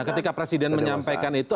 ketika presiden menyampaikan itu